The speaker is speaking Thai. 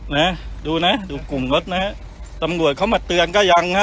นะดูนะดูกลุ่มรถนะฮะตำรวจเขามาเตือนก็ยังฮะ